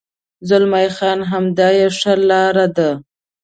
زلمی خان: همدا یې ښه لار ده.